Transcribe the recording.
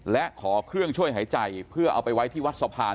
และขอเครื่องช่วยหายใจเพื่อเอาไปไว้ที่วัดสะพาน